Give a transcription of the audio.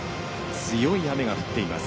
強い雨が降っています。